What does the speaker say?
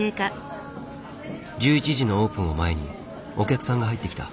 １１時のオープンを前にお客さんが入ってきた。